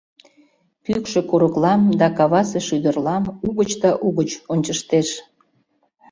Кӱкшӧ курыклам да кавасе шӱдырлам угыч да угыч ончыштеш.